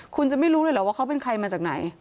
คุณจะไม่รู้เลยเหรอว่าเขาเป็นใครมาจากไหน